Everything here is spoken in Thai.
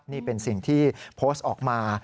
นี่เป็นสิ่งที่โพสต์ออกมา